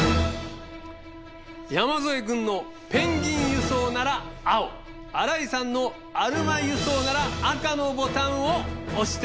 山添君のペンギン輸送なら青新井さんのアルマ輸送なら赤のボタンを押して下さい。